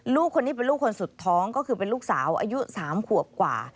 ลูกคนนี้เป็นลูกคนสุดท้องก็คือเป็นลูกสาวอายุ๓ขวบกว่า